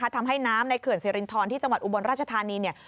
ทำให้น้ำในเขื่อนสิรินทรที่จังหวัดอุบลราชธานีเนี่ย